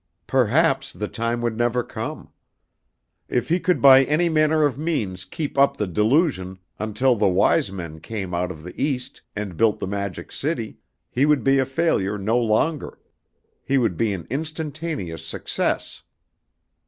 Perhaps the time would never come. If he could by any manner of means keep up the delusion until the Wise Men came out of the East and built the Magic City, he would be a failure no longer. He would be an instantaneous success.